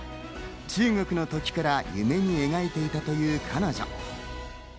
中学の時から夢に描いていたという彼女。